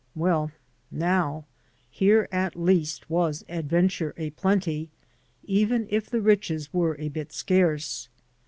Well, now, here at least was adventure a plenty, even if the riches were a bit scarce.